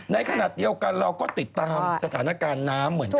ในขณะเดียวกันเราก็ติดตามสถานการณ์น้ำเหมือนกัน